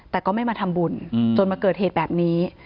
แต่ก็ไม่มาทำบุญจนมาเกิดเหตุแบบนี้